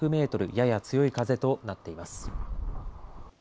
やや強い風となっています。